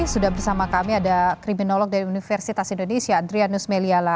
sudah bersama kami ada kriminolog dari universitas indonesia adrianus meliala